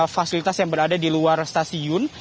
fasilitas yang berada di luar stasiun